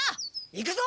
行くぞ！